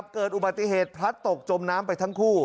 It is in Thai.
เกิดอุบัติเหตุพลัดตกจมน้ำไปทั้งคู่